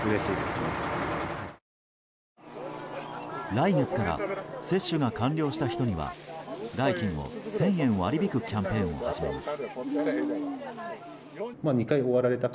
来月から接種が完了した人には代金を１０００円割り引くキャンペーンを始めます。